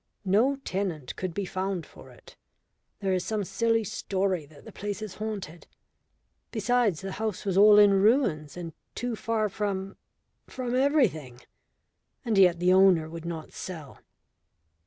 No tenant could be found for it there is some silly story that the place is haunted. Besides, the house was all in ruins, and too far from from everything. And yet the owner would not sell."